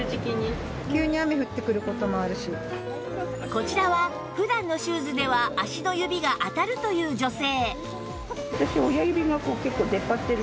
こちらは普段のシューズでは足の指が当たるという女性